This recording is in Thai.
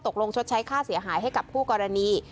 ชดใช้ค่าเสียหายให้กับคู่กรณี